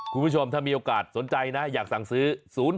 คุณผู้ชมถ้ามีโอกาสสนใจนะอยากสั่งซื้อ